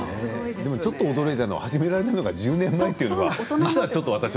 でもちょっと驚いたのが始められたのが１０年前っていうのは。